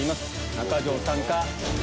中条さんか？